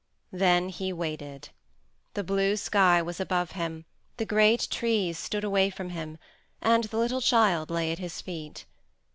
Then he waited. The blue sky was above him, the great trees stood away from him, and the little child lay at his feet.